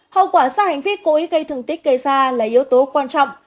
hậu quả sau hành vi cố ý gây thương tích gây ra là yếu tố quan trọng